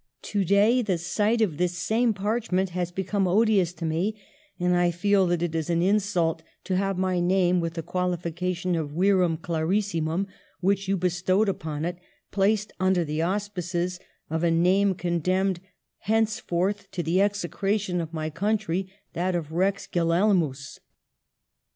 Today the sight of this same parch ment has become odious to me, and I feel that it is an insult to have my name, with the qualification of virum clarissimum which you bestowed upon it, placed under the auspices of a name condemned henceforth to the execration of my country, that of rex Guilelmus.